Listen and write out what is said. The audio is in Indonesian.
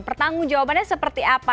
pertanggung jawabannya seperti apa